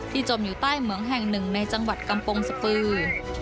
จมอยู่ใต้เหมืองแห่งหนึ่งในจังหวัดกำปงสปือ